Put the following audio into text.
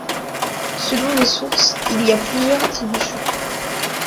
Selon les sources, il a plusieurs attributions.